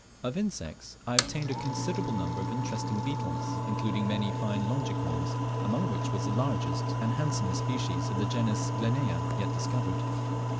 Of insects I obtained a considerable number of interesting beetles, including many fine longicorns, among which was the largest and handsomest species of the genus Glenea yet discovered.